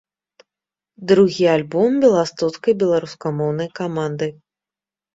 Другі альбом беластоцкай беларускамоўнай каманды.